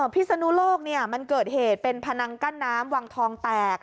พิศนุโลกมันเกิดเหตุเป็นพนังกั้นน้ำวังทองแตก